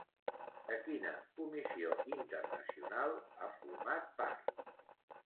De quina comissió internacional ha format part?